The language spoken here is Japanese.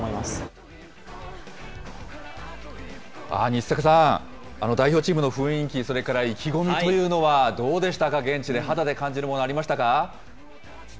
西阪さん、代表チームの雰囲気、それから意気込みというのは、どうでしたか、現地で肌で感じるものありましたか。